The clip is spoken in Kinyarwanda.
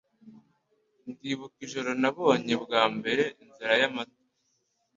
Ndibuka ijoro nabonye bwa mbere Inzira y'Amata.